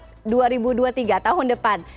pada bulan maret dua ribu dua puluh tiga tahun depan